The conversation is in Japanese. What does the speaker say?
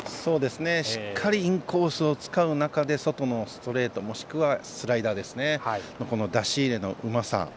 しっかりインコースを使う中で外のストレートもしくはスライダーのこの出し入れのうまさ。